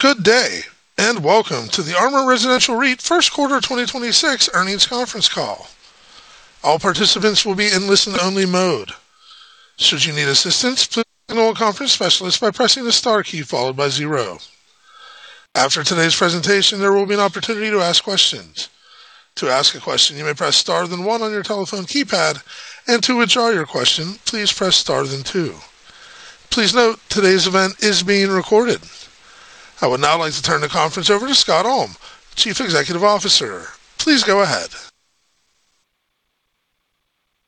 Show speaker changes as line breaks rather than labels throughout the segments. Good day, and welcome to the ARMOUR Residential REIT First Quarter 2026 Earnings Conference Call. All participants will be in listen-only mode. Should you need assistance, please let us know by pressing the star key followed by zero. After today's presentation, there will be an opportunity to ask questions. To ask a question, you may press star then one on your telephone keypad, and to withdraw your question, please press star then two. Please note, today's event is being recorded. I would now like to turn the conference over to Scott Ulm, Chief Executive Officer. Please go ahead.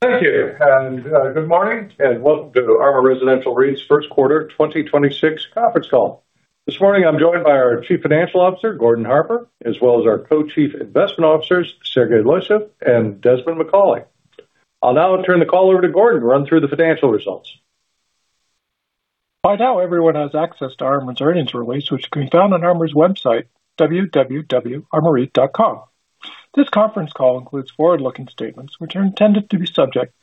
Thank you, and good morning, and welcome to ARMOUR Residential REIT's first quarter 2026 conference call. This morning, I'm joined by our Chief Financial Officer, Gordon Harper, as well as our Co-Chief Investment Officers, Sergey Losyev and Desmond Macauley. I'll now turn the call over to Gordon to run through the financial results.
By now, everyone has access to ARMOUR's earnings release, which can be found on ARMOUR's website, www.armourreit.com. This conference call includes forward-looking statements, which are intended to be subject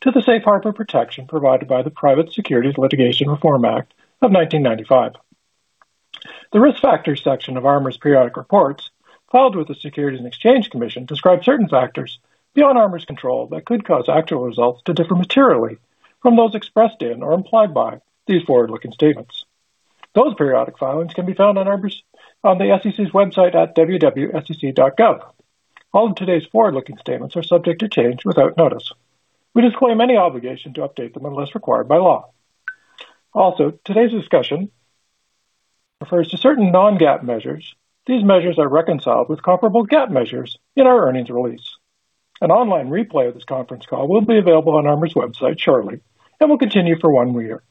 to the safe harbor protection provided by the Private Securities Litigation Reform Act of 1995. The Risk Factors section of ARMOUR's periodic reports, filed with the Securities and Exchange Commission, describe certain factors beyond ARMOUR's control that could cause actual results to differ materially from those expressed in or implied by these forward-looking statements. Those periodic filings can be found on the SEC's website at www.sec.gov. All of today's forward-looking statements are subject to change without notice. We disclaim any obligation to update them unless required by law. Also, today's discussion refers to certain non-GAAP measures. These measures are reconciled with comparable GAAP measures in our earnings release. An online replay of this conference call will be available on ARMOUR's website shortly and will continue for one year.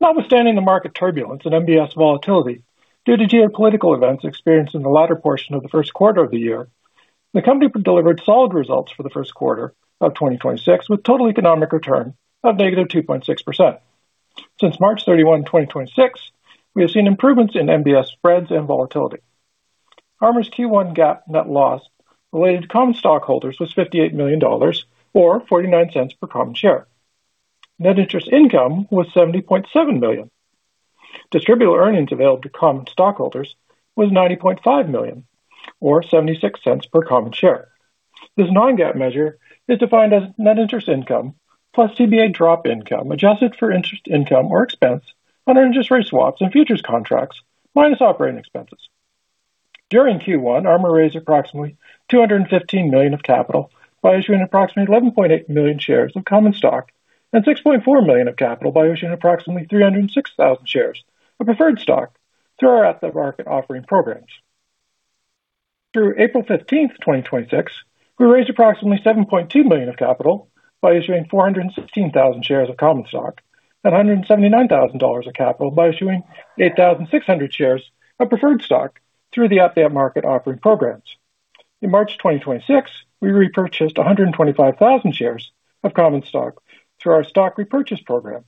Notwithstanding the market turbulence and MBS volatility due to geopolitical events experienced in the latter portion of the first quarter of the year, the company delivered solid results for the first quarter of 2026, with total economic return of -2.6%. Since March 31, 2026, we have seen improvements in MBS spreads and volatility. ARMOUR's Q1 GAAP net loss related to common stockholders was $58 million, or $0.49 per common share. Net interest income was $70.7 million. Distributed earnings available to common stockholders was $90.5 million, or $0.76 per common share. This non-GAAP measure is defined as net interest income plus TBA drop income, adjusted for interest income or expense on our interest rate swaps and futures contracts, minus operating expenses. During Q1, ARMOUR raised approximately $215 million of capital by issuing approximately 11.8 million shares of common stock and $6.4 million of capital by issuing approximately 306,000 shares of preferred stock through our at-the-market offering programs. Through April 15th, 2026, we raised approximately $7.2 million of capital by issuing 416,000 shares of common stock and $179,000 of capital by issuing 8,600 shares of preferred stock through the at-the-market offering programs. In March 2026, we repurchased 125,000 shares of common stock through our stock repurchase program.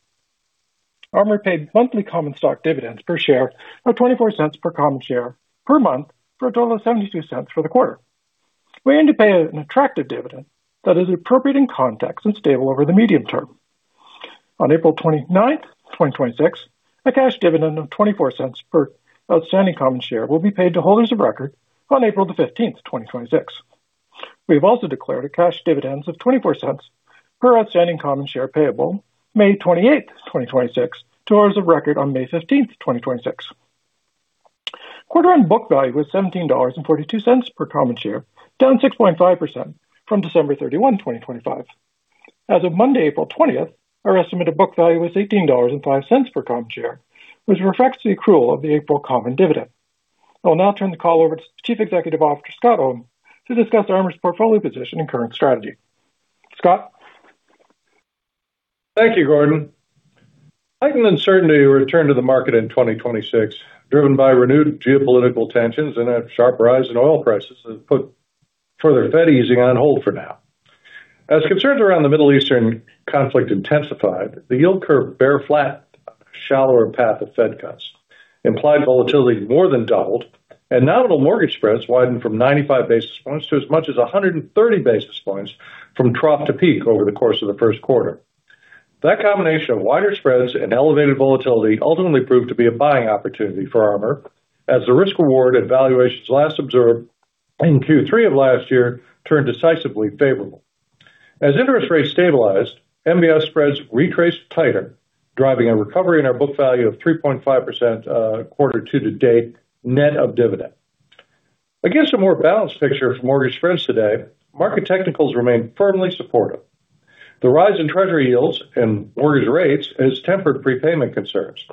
ARMOUR paid monthly common stock dividends per share of $0.24 per common share per month, for a total of $0.72 for the quarter. We aim to pay an attractive dividend that is appropriate in context and stable over the medium term. On April 29th, 2026, a cash dividend of $0.24 per outstanding common share will be paid to holders of record on April 15th, 2026. We have also declared cash dividends of $0.24 per outstanding common share payable May 28th, 2026, to owners of record on May 15th, 2026. Quarter end book value was $17.42 per common share, down 6.5% from December 31, 2025. As of Monday, April 20th, our estimated book value was $18.05 per common share, which reflects the accrual of the April common dividend. I will now turn the call over to Chief Executive Officer Scott Ulm to discuss ARMOUR's portfolio position and current strategy. Scott?
Thank you, Gordon. Heightened uncertainty returned to the market in 2026, driven by renewed geopolitical tensions and a sharp rise in oil prices that put further Fed easing on hold for now. As concerns around the Middle Eastern conflict intensified, the yield curve bear-flattened on a shallower path of Fed cuts. Implied volatility more than doubled, and nominal mortgage spreads widened from 95 basis points to as much as 130 basis points from trough to peak over the course of the first quarter. That combination of wider spreads and elevated volatility ultimately proved to be a buying opportunity for ARMOUR, as the risk/reward at valuations last observed in Q3 of last year turned decisively favorable. As interest rates stabilized, MBS spreads retraced tighter, driving a recovery in our book value of 3.5% quarter-to-date net of dividend. Against a more balanced picture for mortgage spreads today, market technicals remain firmly supportive. The rise in Treasury yields and mortgage rates has tempered prepayment concerns,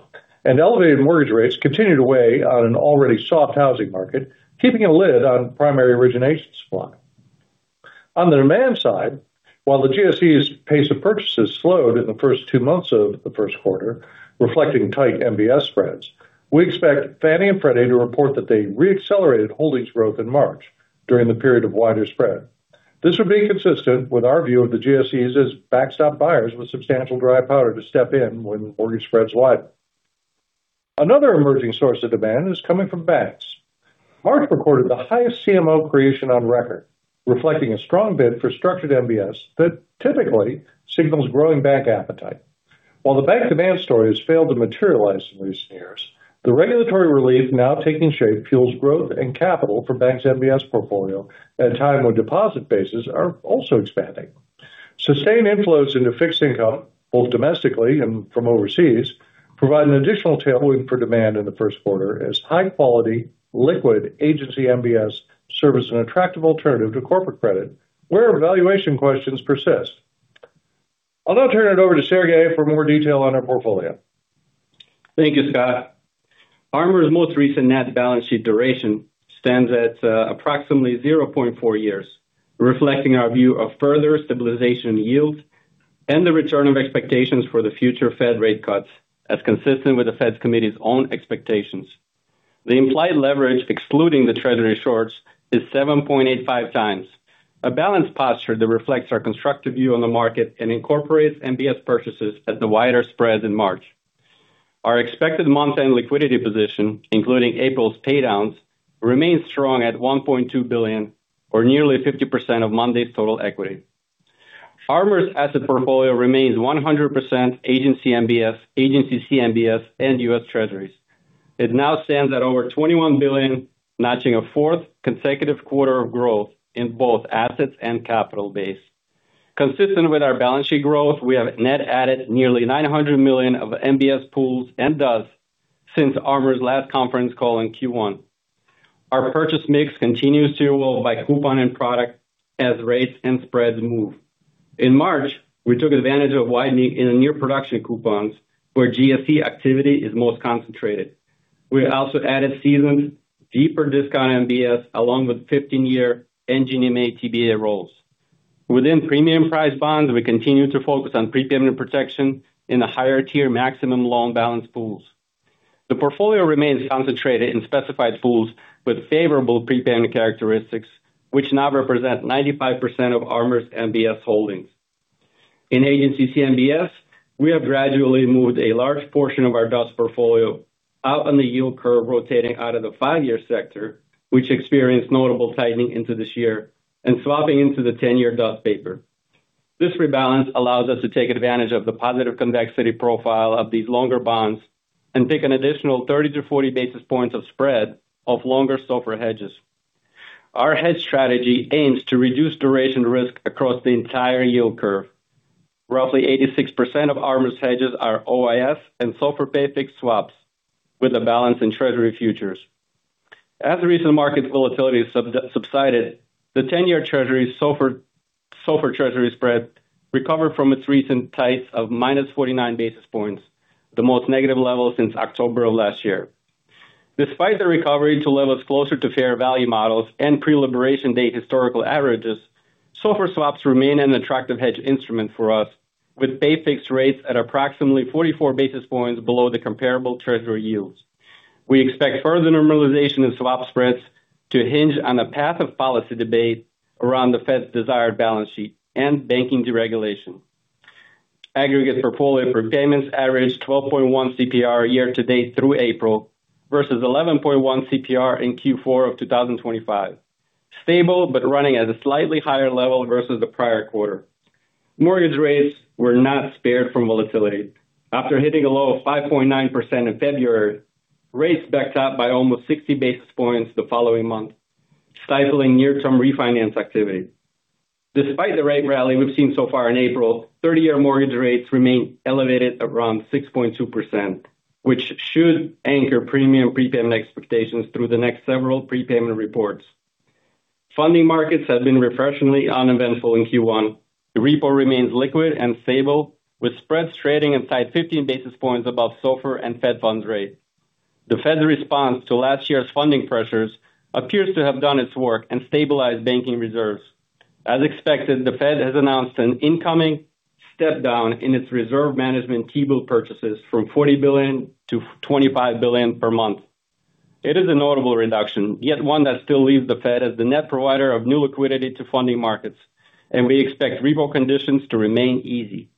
and elevated mortgage rates continue to weigh on an already soft housing market, keeping a lid on primary origination supply. On the demand side, while the GSEs' pace of purchases slowed in the first two months of the first quarter, reflecting tight MBS spreads, we expect Fannie and Freddie to report that they re-accelerated holdings growth in March during the period of wider spread. This would be consistent with our view of the GSEs as backstop buyers with substantial dry powder to step in when mortgage spreads widen. Another emerging source of demand is coming from banks. March recorded the highest CMO creation on record, reflecting a strong bid for structured MBS that typically signals growing bank appetite. While the bank demand story has failed to materialize in recent years, the regulatory relief now taking shape fuels growth and capital for bank's MBS portfolio at a time when deposit bases are also expanding. Sustained inflows into fixed income, both domestically and from overseas, provide an additional tailwind for demand in the first quarter as high-quality liquid agency MBS serve as an attractive alternative to corporate credit, where valuation questions persist. I'll now turn it over to Sergey for more detail on our portfolio.
Thank you, Scott. ARMOUR's most recent net balance sheet duration stands at approximately 0.4 years, reflecting our view of further stabilization in yields and the return of expectations for the future Fed rate cuts, as consistent with the Fed's committee's own expectations. The implied leverage excluding the Treasury shorts is 7.85x, a balanced posture that reflects our constructive view on the market and incorporates MBS purchases at the wider spreads in March. Our expected month-end liquidity position, including April's pay downs, remains strong at $1.2 billion or nearly 50% of Monday's total equity. ARMOUR's asset portfolio remains 100% agency MBS, agency CMBS, and U.S. Treasuries. It now stands at over $21 billion, notching a fourth consecutive quarter of growth in both assets and capital base. Consistent with our balance sheet growth, we have net added nearly $900 million of MBS pools and does since ARMOUR's last conference call in Q1. Our purchase mix continues to evolve by coupon and product as rates and spreads move. In March, we took advantage of widening in the new production coupons where GSE activity is most concentrated. We also added seasoned, deeper discount MBS along with 15-year agency MBS TBA rolls. Within premium price bonds, we continue to focus on prepayment protection in the higher tier maximum loan balance pools. The portfolio remains concentrated in specified pools with favorable prepayment characteristics, which now represent 95% of ARMOUR's MBS holdings. In agency CMBS, we have gradually moved a large portion of our DUS portfolio out on the yield curve, rotating out of the 5-year sector, which experienced notable tightening into this year, and swapping into the 10-year DUS paper. This rebalance allows us to take advantage of the positive convexity profile of these longer bonds and take an additional 30-40 basis points of spread of longer SOFR hedges. Our hedge strategy aims to reduce duration risk across the entire yield curve. Roughly 86% of ARMOUR's hedges are OIS and SOFR pay-fixed swaps with a balance in Treasury futures. As the recent market volatility subsided, the 10-year SOFR Treasury spread recovered from its recent tights of -49 basis points, the most negative level since October of last year. Despite the recovery to levels closer to fair value models and pre-liberation date historical averages, SOFR swaps remain an attractive hedge instrument for us, with pay-fixed rates at approximately 44 basis points below the comparable Treasury yields. We expect further normalization of swap spreads to hinge on a path of policy debate around the Fed's desired balance sheet and banking deregulation. Aggregate portfolio prepayments averaged 12.1 CPR year to date through April versus 11.1 CPR in Q4 of 2025, stable but running at a slightly higher level versus the prior quarter. Mortgage rates were not spared from volatility. After hitting a low of 5.9% in February, rates backed up by almost 60 basis points the following month, stifling near-term refinance activity. Despite the rate rally we've seen so far in April, 30-year mortgage rates remain elevated around 6.2%, which should anchor premium prepayment expectations through the next several prepayment reports. Funding markets have been refreshingly uneventful in Q1. The repo remains liquid and stable, with spreads trading inside 15 basis points above SOFR and Fed funds rate. The Fed's response to last year's funding pressures appears to have done its work and stabilized banking reserves. As expected, the Fed has announced an incoming step down in its reserve management T-bill purchases from $40 billion-$25 billion per month. It is a notable reduction, yet one that still leaves the Fed as the net provider of new liquidity to funding markets, and we expect repo conditions to remain easy.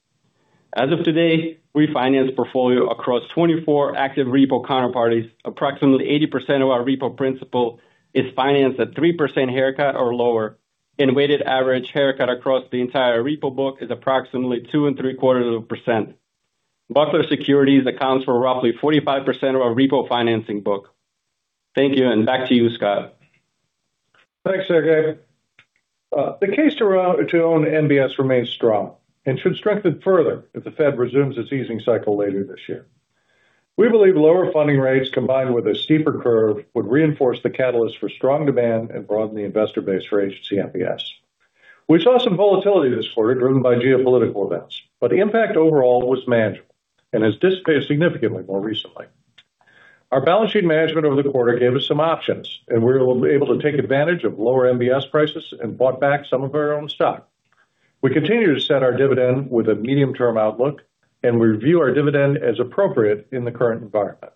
As of today, refinance portfolio across 24 active repo counterparties, approximately 80% of our repo principal is financed at 3% haircut or lower, and weighted average haircut across the entire repo book is approximately 2.75%. Buckler Securities accounts for roughly 45% of our repo financing book. Thank you, and back to you, Scott.
Thanks, Sergey. The case to own MBS remains strong and should strengthen further if the Fed resumes its easing cycle later this year. We believe lower funding rates combined with a steeper curve would reinforce the catalyst for strong demand and broaden the investor base for agency MBS. We saw some volatility this quarter driven by geopolitical events, but the impact overall was manageable and has dissipated significantly more recently. Our balance sheet management over the quarter gave us some options, and we were able to take advantage of lower MBS prices and bought back some of our own stock. We continue to set our dividend with a medium-term outlook, and we review our dividend as appropriate in the current environment.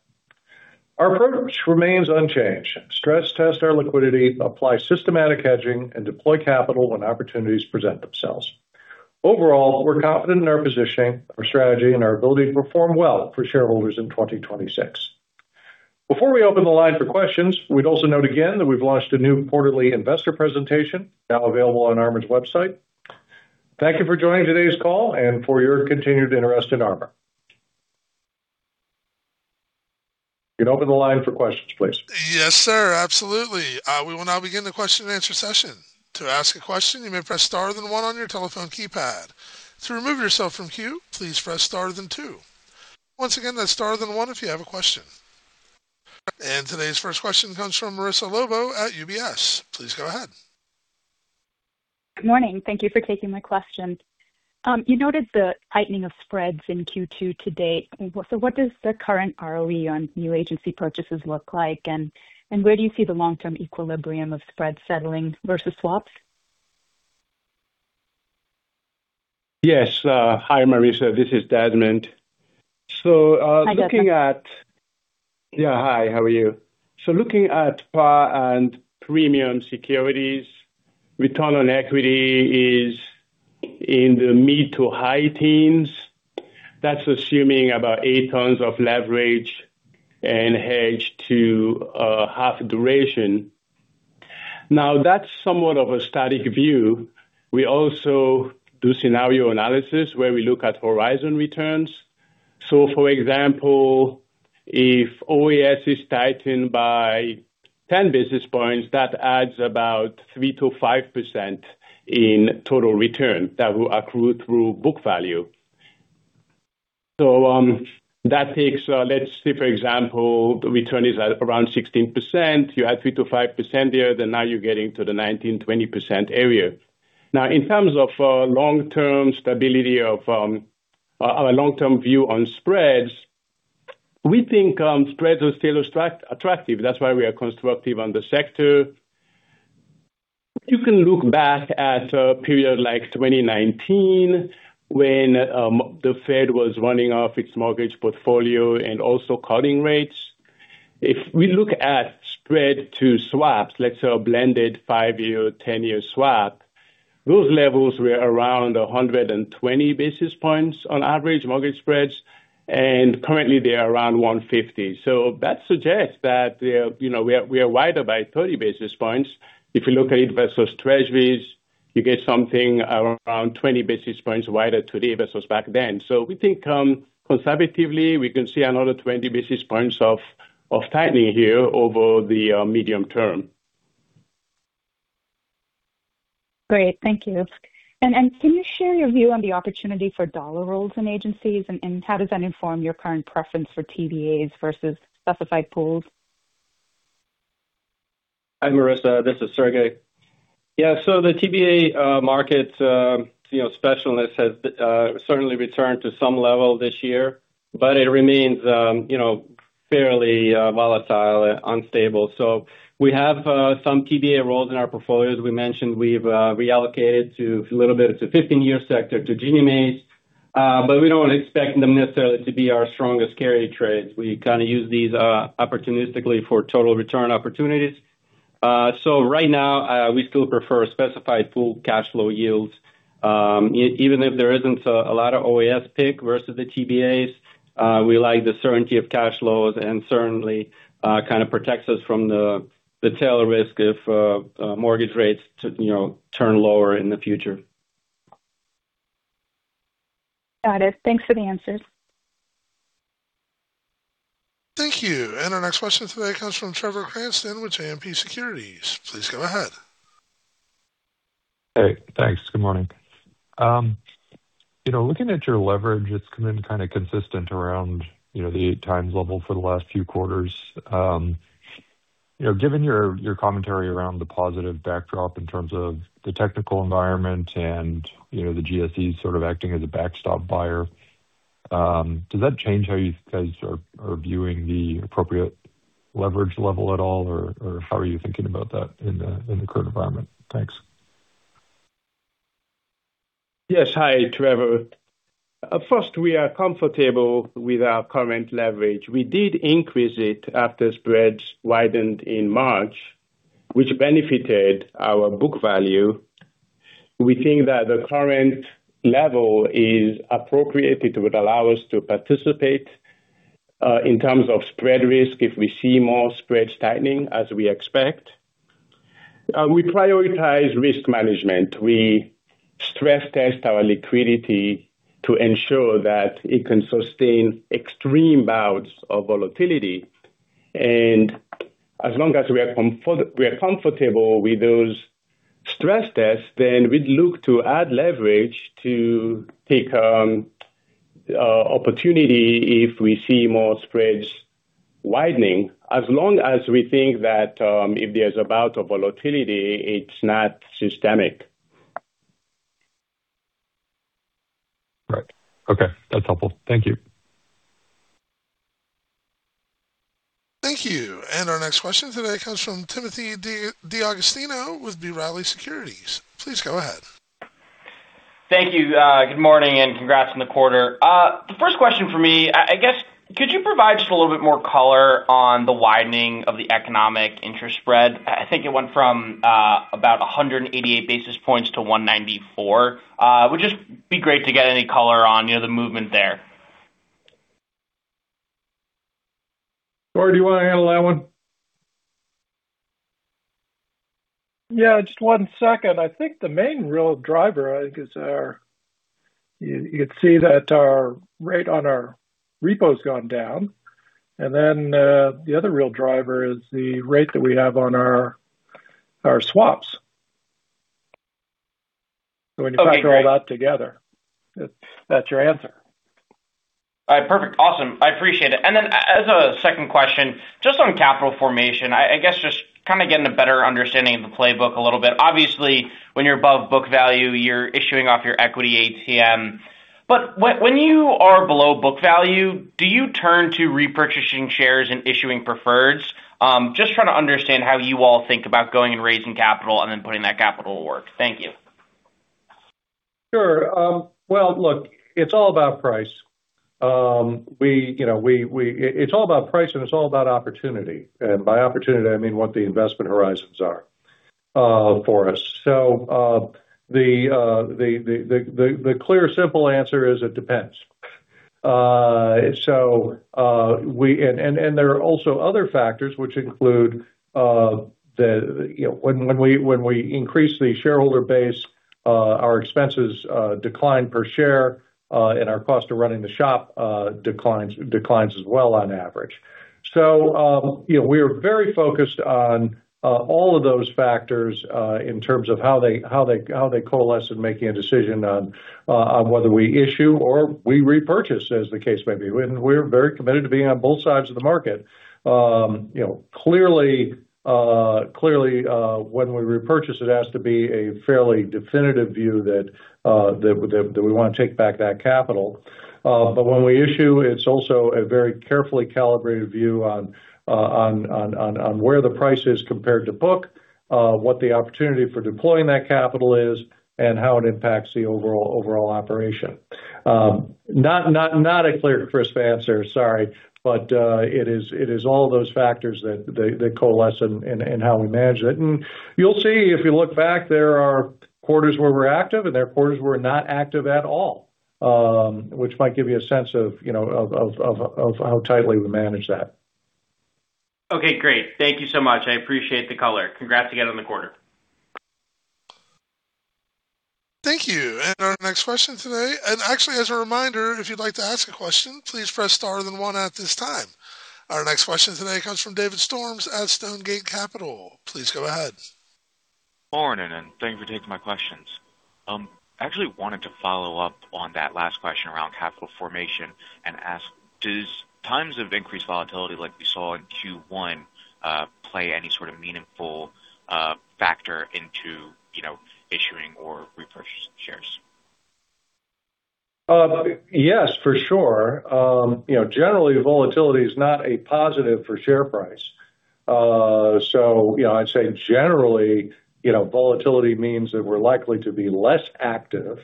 Our approach remains unchanged. Stress test our liquidity, apply systematic hedging, and deploy capital when opportunities present themselves. Overall, we're confident in our positioning, our strategy, and our ability to perform well for shareholders in 2026. Before we open the line for questions, we'd also note again that we've launched a new quarterly investor presentation now available on ARMOUR's website. Thank you for joining today's call and for your continued interest in ARMOUR. You can open the line for questions, please.
Yes, sir. Absolutely. We will now begin the question-and-answer session. To ask a question, you may press star then one on your telephone keypad. To remove yourself from queue, please press star then two. Once again, that's star then one if you have a question. Today's first question comes from Marissa Lobo at UBS. Please go ahead.
Good morning. Thank you for taking my question. You noted the tightening of spreads in Q2 to date. What does the current ROE on new agency purchases look like? And where do you see the long-term equilibrium of spreads settling versus swaps?
Yes. Hi, Marissa. This is Desmond.
Hi, Desmond.
Yeah, hi. How are you? Looking at par and premium securities, return on equity is in the mid to high-teens. That's assuming about eight times of leverage and hedged to half duration. Now, that's somewhat of a static view. We also do scenario analysis where we look at horizon returns. For example, if OAS is tightened by 10 basis points, that adds about 3%-5% in total return that will accrue through book value. That takes, let's say for example, the return is at around 16%, you add 3%-5% there, then now you're getting to the 19%-20% area. Now, in terms of our long-term view on spreads, we think spreads are still attractive. That's why we are constructive on the sector. You can look back at a period like 2019 when the Fed was running our fixed mortgage portfolio and also cutting rates. If we look at spread to swaps, let's say a blended 5-year, 10-year swap, those levels were around 120 basis points on average mortgage spreads, and currently they are around 150. That suggests that we are wider by 30 basis points. If you look at it versus Treasuries, you get something around 20 basis points wider today versus back then. We think conservatively, we can see another 20 basis points of tightening here over the medium term.
Great. Thank you. Can you share your view on the opportunity for dollar rolls in agencies and how does that inform your current preference for TBAs versus specified pools?
Hi, Marissa. This is Sergey. Yeah. The TBA market spread has certainly returned to some level this year, but it remains fairly volatile and unstable. We have some TBA rolls in our portfolio. As we mentioned, we've reallocated a little bit to the 15-year sector to Ginnie Maes, but we don't expect them necessarily to be our strongest carry trades. We kind of use these opportunistically for total return opportunities. Right now, we still prefer specified pool cash flow yields even if there isn't a lot of OAS pickup versus the TBAs. We like the certainty of cash flows, and it certainly kind of protects us from the tail risk if mortgage rates turn lower in the future.
Got it. Thanks for the answers.
Thank you. Our next question today comes from Trevor Cranston with JMP Securities. Please go ahead.
Hey, thanks. Good morning. Looking at your leverage, it's been kind of consistent around the 8x level for the last few quarters. Given your commentary around the positive backdrop in terms of the technical environment and the GSE sort of acting as a backstop buyer, does that change how you guys are viewing the appropriate leverage level at all? Or how are you thinking about that in the current environment? Thanks.
Yes. Hi, Trevor. First, we are comfortable with our current leverage. We did increase it after spreads widened in March, which benefited our book value. We think that the current level is appropriate. It would allow us to participate, in terms of spread risk if we see more spreads tightening as we expect. We prioritize risk management. We stress test our liquidity to ensure that it can sustain extreme bouts of volatility. As long as we are comfortable with those stress tests, then we'd look to add leverage to take opportunity if we see more spreads widening as long as we think that if there's a bout of volatility, it's not systemic.
Right. Okay. That's helpful. Thank you.
Thank you. Our next question today comes from Timothy D'Agostino with B. Riley Securities. Please go ahead.
Thank you. Good morning, and congrats on the quarter. The first question for me, I guess. Could you provide just a little bit more color on the widening of the economic interest spread? I think it went from about 188 basis points to 194. Would just be great to get any color on the movement there.
Gordon, do you want to handle that one?
Yeah, just one second. I think the main real driver, I think, is you could see that our rate on our repos has gone down. The other real driver is the rate that we have on our swaps.
Okay, great.
When you factor all that together, that's your answer.
All right, perfect. Awesome. I appreciate it. As a second question, just on capital formation, I guess just kind of getting a better understanding of the playbook a little bit. Obviously, when you're above book value, you're issuing off your equity ATM. When you are below book value, do you turn to repurchasing shares and issuing preferreds? Just trying to understand how you all think about going and raising capital and then putting that capital to work. Thank you.
Sure. Well, look, it's all about price. It's all about price, and it's all about opportunity. By opportunity, I mean what the investment horizons are for us. The clear simple answer is it depends. There are also other factors which include when we increase the shareholder base, our expenses decline per share, and our cost of running the shop declines as well on average. We are very focused on all of those factors in terms of how they coalesce in making a decision on whether we issue or we repurchase, as the case may be. We're very committed to being on both sides of the market. Clearly, when we repurchase, it has to be a fairly definitive view that we want to take back that capital. When we issue, it's also a very carefully calibrated view on where the price is compared to book, what the opportunity for deploying that capital is, and how it impacts the overall operation. Not a clear, crisp answer, sorry. It is all those factors that coalesce in how we manage it. You'll see if you look back, there are quarters where we're active, and there are quarters where we're not active at all, which might give you a sense of how tightly we manage that.
Okay, great. Thank you so much. I appreciate the color. Congrats again on the quarter.
Thank you. Our next question today. Actually, as a reminder, if you'd like to ask a question, please press star then one at this time. Our next question today comes from David Storms at Stonegate Capital. Please go ahead.
Morning, and thank you for taking my questions. I actually wanted to follow up on that last question around capital formation and ask, does times of increased volatility like we saw in Q1 play any sort of meaningful factor into issuing or repurchasing shares?
Yes, for sure. Generally, volatility is not a positive for share price. I'd say generally, volatility means that we're likely to be less active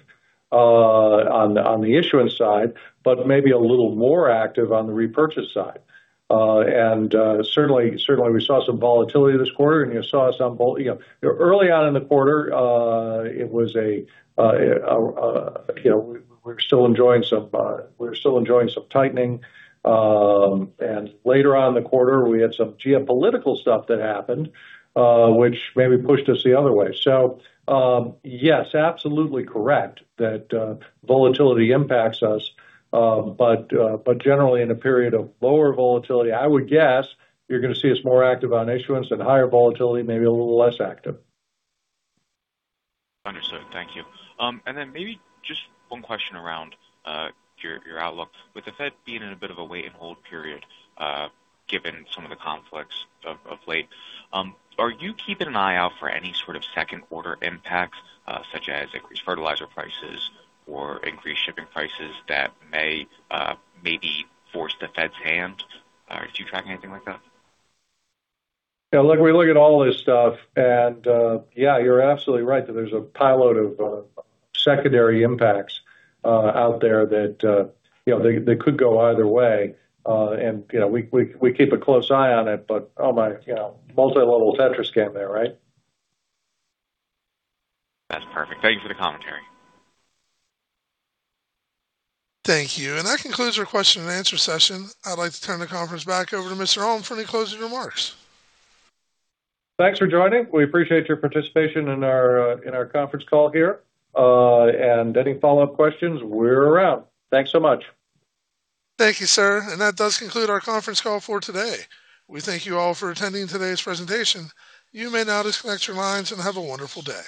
on the issuance side, but maybe a little more active on the repurchase side. Certainly, we saw some volatility this quarter, and you saw us. Early on in the quarter, we were still enjoying some tightening. Later on in the quarter, we had some geopolitical stuff that happened, which maybe pushed us the other way. Yes, absolutely correct that volatility impacts us. Generally, in a period of lower volatility, I would guess you're going to see us more active on issuance and higher volatility, maybe a little less active.
Understood. Thank you. Maybe just one question around your outlook. With the Fed being in a bit of a wait-and-hold period, given some of the conflicts of late, are you keeping an eye out for any sort of second-order impacts, such as increased fertilizer prices or increased shipping prices that may maybe force the Fed's hand? Are you tracking anything like that?
Yeah, look, we look at all this stuff, and yeah, you're absolutely right that there's a pile load of secondary impacts out there that they could go either way. We keep a close eye on it, but multi-level Tetris game there, right?
That's perfect. Thank you for the commentary.
Thank you. That concludes our question-and-answer session. I'd like to turn the conference back over to Mr. Ulm for any closing remarks.
Thanks for joining. We appreciate your participation in our conference call here. Any follow-up questions, we're around. Thanks so much.
Thank you, sir. That does conclude our conference call for today. We thank you all for attending today's presentation. You may now disconnect your lines, and have a wonderful day.